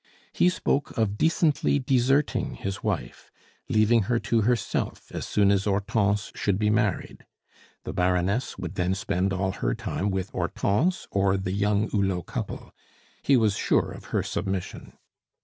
He spoke of decently deserting his wife, leaving her to herself as soon as Hortense should be married. The Baroness would then spend all her time with Hortense or the young Hulot couple; he was sure of her submission.